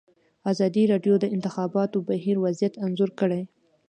ازادي راډیو د د انتخاباتو بهیر وضعیت انځور کړی.